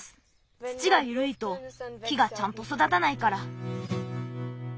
土がゆるいと木がちゃんとそだたないから。